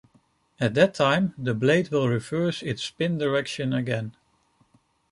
At that time, the blade will reverse its spin direction again.